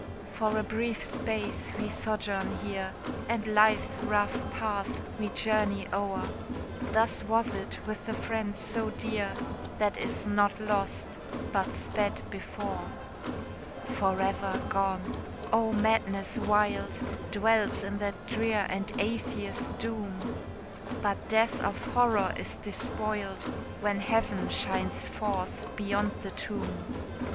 For a brief space we sojourn here, And life's rough path we journey o'er; Thus was it with the friend so dear, That is not lost, but sped before. For ever gone! oh, madness wild Dwells in that drear and Atheist doom! But death of horror is despoiled, When Heaven shines forth beyond the tomb.